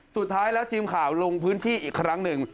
สุดท้ายแล้วทีมข่าวลงพื้นที่อีกครั้งหนึ่ง